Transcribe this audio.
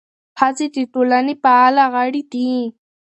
ښځې د ټولنې فعاله غړي دي.